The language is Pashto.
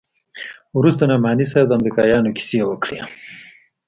وروسته نعماني صاحب د امريکايانو کيسې وکړې.